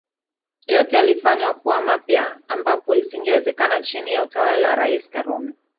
Yote yalifanywa kuwa mapya ambapo isingewezekana chini ya utawala wa Rais Karume